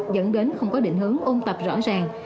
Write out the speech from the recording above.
dẫn đến không có định hướng ôn tập rõ ràng